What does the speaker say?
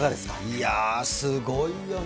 いやー、すごいよね。